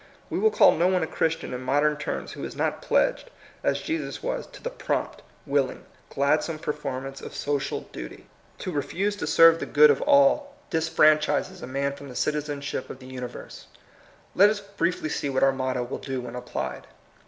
We will call no one a Christian in modern terms who is not pledged, as Jesus was, to the prompt, willing, gladsome per formance of social duty. To refuse to serve 180 THE COMING PEOPLE. the good of all disfranchises a man from the citizenship of the universe. Let us briefly see what our motto will do when applied.